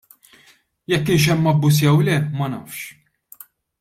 Jekk kienx hemm abbuż jew le, ma nafx.